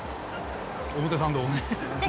表参道ね。